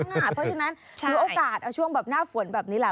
ปีละครั้งเพราะฉะนั้นมีโอกาสเอาช่วงหน้าฝนแบบนี้ละ